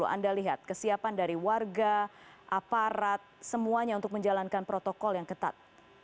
anda lihat kesiapan dari warga aparat semuanya untuk menjalankan protokol yang ketat